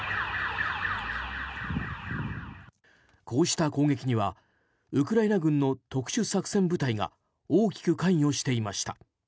こうした攻撃にはウクライナ軍の特殊作戦部隊が大きく関与していました。